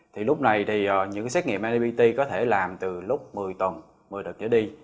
thì lúc này thì những cái xét nghiệm nipt có thể làm từ lúc một mươi tuần một mươi đợt nhớ đi